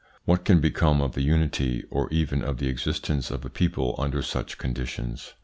What can become of the unity, or even of the existence of a people under such conditions?